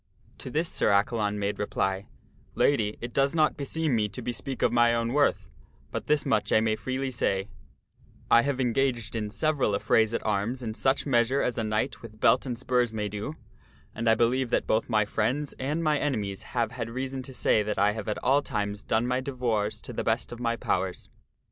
To this Sir Accalon made reply, " Lady, it does not beseem me to be speak of my own worth, but this much I may freely say ; I have engaged in several affrays at arms in such measure as a knight with belt and spurs may do, and I believe that both my friends and mine enemies have had reason to say that I have at all times done my devoirs to the best of my powers."